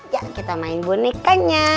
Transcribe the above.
ya kita main bonekanya